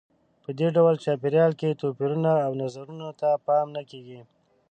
په دې ډول چاپېریال کې توپیرونو او نظرونو ته پام نه کیږي.